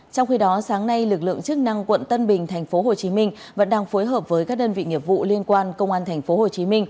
trong khi đó sáng nay lực lượng chức năng quận tân bình tp hcm vẫn đang phối hợp với các đơn vị nghiệp vụ liên quan công an tp hcm